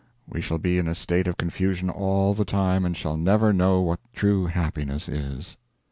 We shall be in a state of confusion all the time and shall never know what true happiness is.